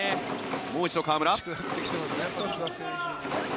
もう一度、河村。